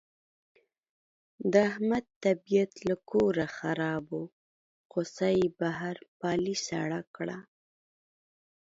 د احمد طبیعت له کوره خراب و، غوسه یې بهر په علي سړه کړه.